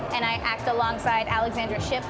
dan saya berakibat bersama alexandra shipp